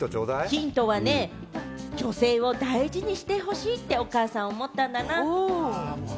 ヒントはね、女性を大事にしてほしいってお母さん思ったんだな。